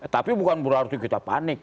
tapi bukan berarti kita panik